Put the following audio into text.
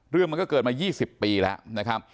เรื่องมันก็เกิดมา๒๐ปีแล้ว